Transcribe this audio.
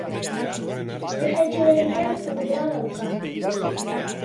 Zure jertse berriak zuloa dauka.